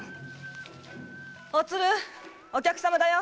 おつるお客様だよ。